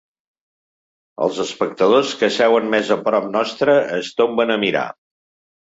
Els espectadors que seuen més a prop nostre es tomben a mirar.